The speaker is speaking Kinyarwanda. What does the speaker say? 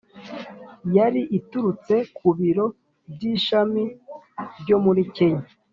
yari iturutse ku biro by ishami byo muri Kenya